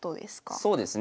そうですね。